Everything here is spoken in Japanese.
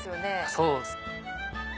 そうですね。